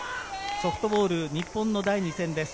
ソフトボール日本の第２戦です。